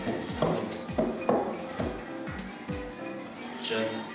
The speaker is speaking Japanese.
こちらです。